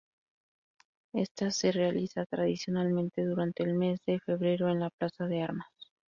Esta se realiza tradicionalmente durante el mes de febrero en la Plaza de Armas.